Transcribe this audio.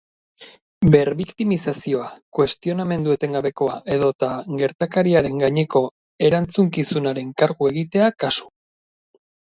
Berbiktimizazioa, kuestionamendu etengabekoa edota gertakariaren gaineko erantzukizunaren kargu egitea kasu.